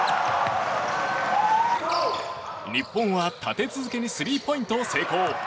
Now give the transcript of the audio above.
日本は立て続けにスリーポイントを成功。